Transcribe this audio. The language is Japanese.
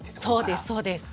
そうですそうです。